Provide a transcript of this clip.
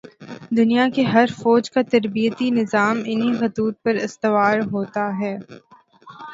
دنیا کی ہر فوج کا تربیتی نظام انہی خطوط پر استوار ہوتا ہے۔